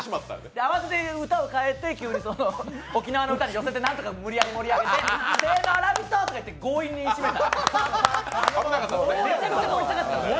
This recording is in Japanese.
歌を変えて急に沖縄の歌に寄せて何とか無理やり盛り上げて、最後「ラヴィット！」とか言って強引に締めた。